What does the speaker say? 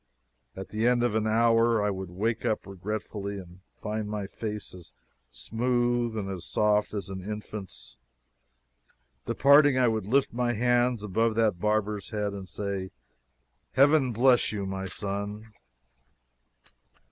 At the end of an hour I would wake up regretfully and find my face as smooth and as soft as an infant's. Departing, I would lift my hands above that barber's head and say, "Heaven bless you, my son!"